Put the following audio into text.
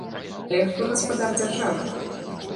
Але хто гаспадар дзяржавы?